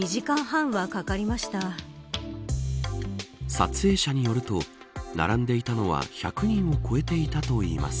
撮影者によると並んでいたのは１００人を超えていたといいます。